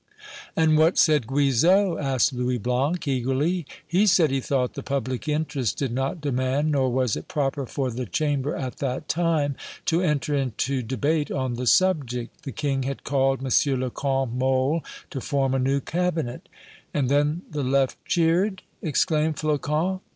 "And what said Guizot?" asked Louis Blanc, eagerly. "He said he thought the public interest did not demand, nor was it proper for the Chamber at that time, to enter into debate on the subject. The King had called M. le Comte Mole to form a new cabinet." "And then the left cheered?" exclaimed Flocon.